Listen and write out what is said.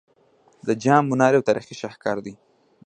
د جام منار یو تاریخي شاهکار دی